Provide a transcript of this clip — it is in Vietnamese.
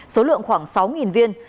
số lượng khoảng sáu viên